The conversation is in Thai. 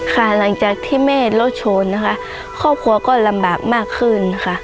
ค่ะหลังจากที่แม่รถชนนะคะครอบครัวก็ลำบากมากขึ้นค่ะ